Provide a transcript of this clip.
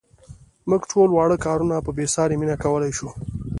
موږ ټول واړه کارونه په بې ساري مینه کولای شو.